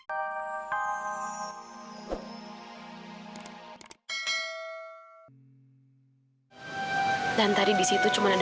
kali seperti ini aku merasa sedih